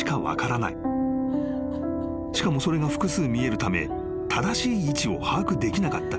［しかもそれが複数見えるため正しい位置を把握できなかった］